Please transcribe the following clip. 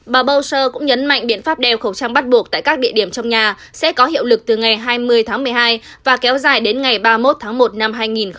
bà boucher cũng nhấn mạnh biện pháp đeo khẩu trang bắt buộc tại các địa điểm trong nhà sẽ có hiệu lực từ ngày hai mươi tháng một mươi hai và kéo dài đến ngày ba mươi một tháng một năm hai nghìn hai mươi